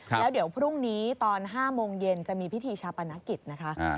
แล้วเดี๋ยวพรุ่งนี้ตอน๕โมงเย็นจะมีพิธีชาปนกิจนะคะ